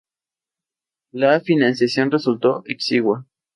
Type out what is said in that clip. Los resultados de investigaciones sobre el efecto del compromiso social son mixtos.